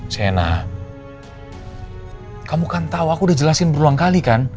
sena kamu kan tahu aku udah jelasin berulang kali kan